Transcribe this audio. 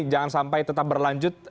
jangan sampai tetap berlanjut